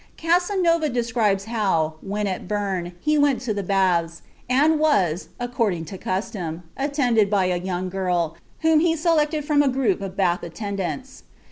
Casanova describes how, when at Berne, he went to the baths, and was, according to custom, attended by a young girl, whom he selected from a group of bath attendants.